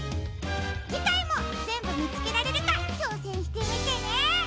じかいもぜんぶみつけられるかちょうせんしてみてね！